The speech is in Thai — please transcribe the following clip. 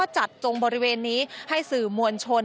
จงบริเวณนี้ให้สื่อมวลชน